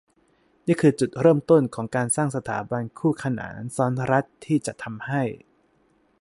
นี่คือจุดเริ่มต้นของการสร้างสถาบันคู่ขนานซ้อนรัฐที่จะทำให้